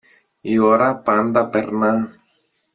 Η ώρα πάντα περνά.